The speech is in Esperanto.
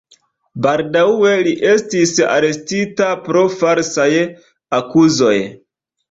Baldaŭe li estis arestita pro falsaj akuzoj.